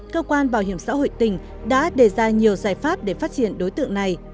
cơ quan bảo hiểm xã hội tỉnh đã đề ra nhiều giải pháp để phát triển đối tượng này